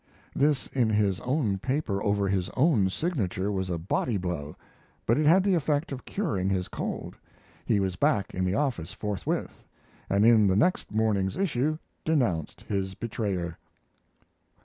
This in his own paper over his own signature was a body blow; but it had the effect of curing his cold. He was back in the office forthwith, and in the next morning's issue denounced his betrayer.